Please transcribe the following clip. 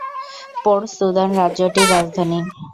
Port Sudan রাজ্যটির রাজধানী।